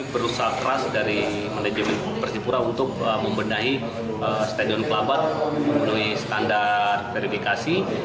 berusaha keras dari manajemen persipura untuk membenahi stadion kelabat memenuhi standar verifikasi